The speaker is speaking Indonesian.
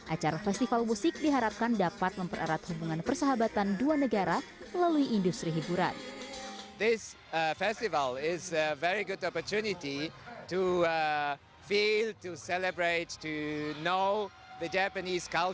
acara festival musik diharapkan dapat mempererat hubungan persahabatan dua negara melalui industri hiburan